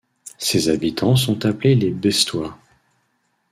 Ses habitants sont appelés les Bessetois.